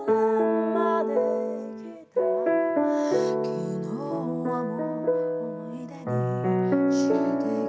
「昨日はもう思い出にしてきた」